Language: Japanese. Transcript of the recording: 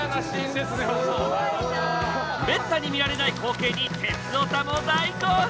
めったに見られない光景に鉄オタも大興奮！